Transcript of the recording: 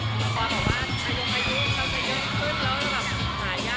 เพราะว่าไม่อยากจะ